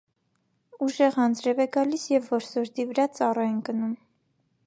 Ուժեղ անձրև է գալիս, և որոսորդի վրա ծառ է ընկնում։